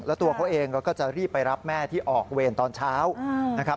แล้วตัวเขาเองก็จะรีบไปรับแม่ที่ออกเวรตอนเช้านะครับ